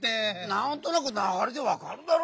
なんとなくながれでわかるだろう。